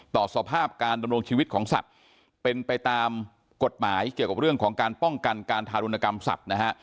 ต่อสภาพการดำรงชีวิตของสัตว์เป็นไปตามกฎหมายเกี่ยวกับเรื่องของการป้องกันการทารุณกรรมสัตว์นะฮะ